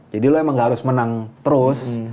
jadi lo emang gak harus menang terus